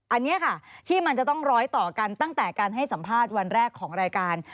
อันนี้ค่ะที่มันจะต้องร้อยต่อกันตั้งแต่การให้สัมภาษณ์วันแรกของรายการ